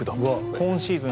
今シーズン